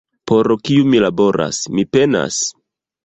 Por kiu mi laboras, mi penas?